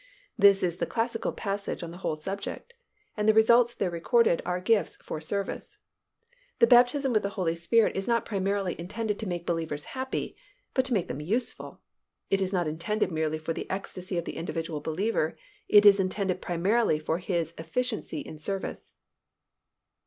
This is the classical passage on the whole subject. And the results there recorded are gifts for service. The baptism with the Holy Spirit is not primarily intended to make believers happy, but to make them useful. It is not intended merely for the ecstasy of the individual believer, it is intended primarily for his efficiency in service.